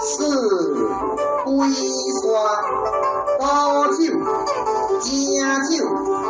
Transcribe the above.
สื่อคุยสวัสดิ์ต้าวจิ้วจิ้งจิ้ว